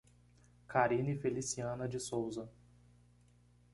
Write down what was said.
Carine Feliciana de Sousa